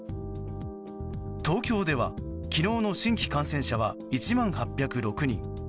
東京では昨日の新規感染者は１万８０６人。